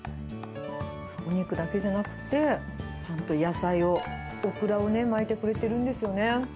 お肉だけじゃなくて、ちゃんと野菜を、オクラを巻いてくれてるんですよね。